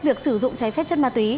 việc sử dụng trái phép chất ma túy